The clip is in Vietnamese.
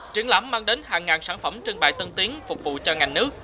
triển lãm mang đến hàng ngàn sản phẩm trưng bài tân tiến phục vụ cho ngành nước